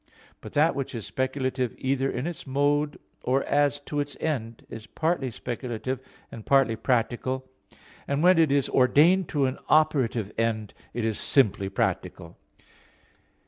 But that which is speculative either in its mode or as to its end is partly speculative and partly practical: and when it is ordained to an operative end it is simply practical.